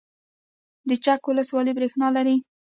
د چک ولسوالۍ بریښنا لري